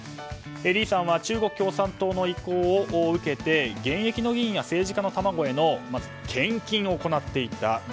リーさんは中国共産党の意向を受けて現役の議員や政治家の卵への献金を行っていた。